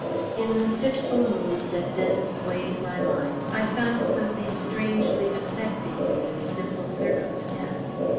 In the fitful mood that then swayed my mind, I found something strangely affecting in this simple circumstance.